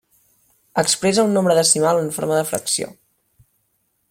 Expressa un nombre decimal en forma de fracció.